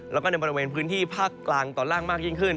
แล้วก็ในบริเวณพื้นที่ภาคกลางตอนล่างมากยิ่งขึ้น